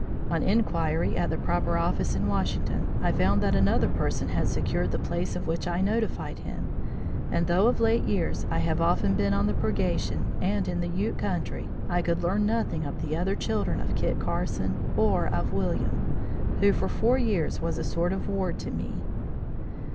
On inquiry at the proper office in Washington, I found that another person had secured the place of which I notified him, and though of late years I have often been on the Purgation, and in the Ute country, I could learn nothing of the other children of Kit Carson, or of William, who for four years was a sort of ward to me.